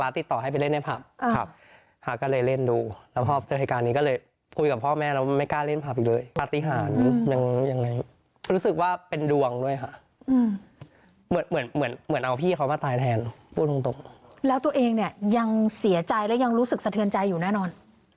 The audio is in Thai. แล้วตัวเองเนี่ยยังเสียใจและยังรู้สึกสะเทือนใจอยู่แน่นอน